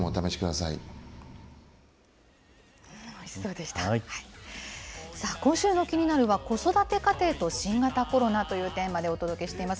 さあ、今週のキニナル！は、子育て家庭と新型コロナというテーマでお届けしています。